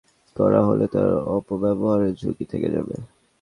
সেটি করার আগে আইনটি প্রয়োগ করা হলে তার অপব্যবহারের ঝুঁকি থেকে যাবে।